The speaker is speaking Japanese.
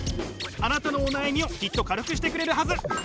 あなたのお悩みをきっと軽くしてくれるはず。